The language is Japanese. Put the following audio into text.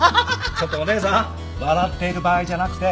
ちょっとお義姉さん笑っている場合じゃなくて。